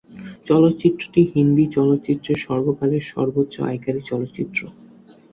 চলচ্চিত্রটি হিন্দি চলচ্চিত্রের সর্বকালের সর্বোচ্চ আয়কারী চলচ্চিত্র।